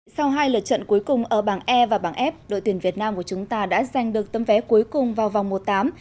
sau hai lượt trận cuối cùng ở bảng e và bảng f đội tuyển việt nam của chúng ta đã giành được tấm vé cuối cùng vào vòng một tám